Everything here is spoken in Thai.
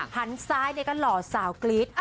หันซ้ายก็หล่อสาวกรี๊ด